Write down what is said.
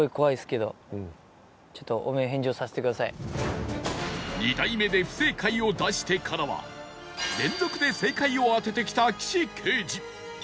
これはね２台目で不正解を出してからは連続で正解を当ててきた岸刑事